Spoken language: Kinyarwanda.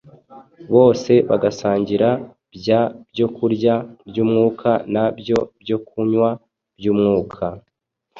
bose bagasangira bya byokurya by’umwuka na bya byokunywa by’umwuka,